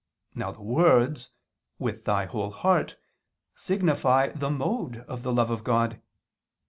Now the words "with thy whole heart" signify the mode of the love of God.